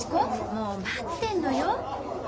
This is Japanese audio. もう待ってんのよ。